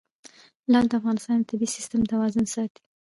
لعل د افغانستان د طبعي سیسټم توازن ساتي.